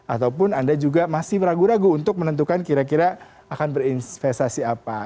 ataupun anda juga masih ragu ragu untuk menentukan kira kira akan berinvestasi apa